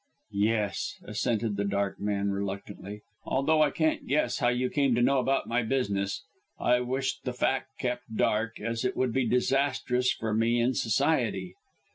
"Yes," assented the dark man reluctantly, "although I can't guess how you came to know about my business. I wish the fact kept dark, as it would be disastrous for me in Society."